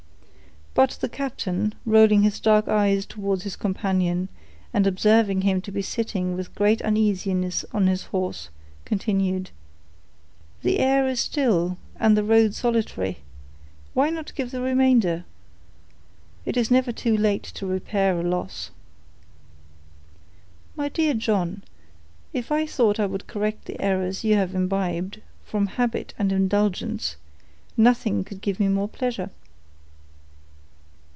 But the captain, rolling his dark eyes towards his companion, and observing him to be sitting with great uneasiness on his horse, continued,— "The air is still, and the road solitary—why not give the remainder? It is never too late to repair a loss." "My dear John, if I thought it would correct the errors you have imbibed, from habit and indulgence, nothing could give me more pleasure."